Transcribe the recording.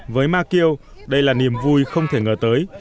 với ma kiều đây là niềm vui không thể ngờ tới